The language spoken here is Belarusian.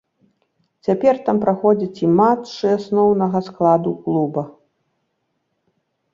Цяпер там праходзяць і матчы асноўнага складу клуба.